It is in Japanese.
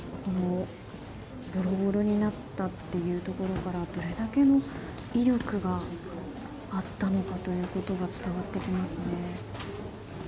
ボロボロになったというところからどれだけの威力があったのかが伝わってきますね。